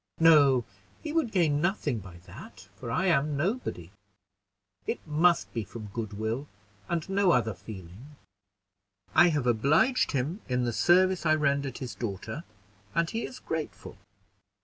No, he would gain nothing by that, for I am nobody. It must be from goodwill, and no other feeling. I have obliged him in the service I rendered his daughter, and he is grateful."